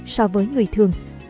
so với người thường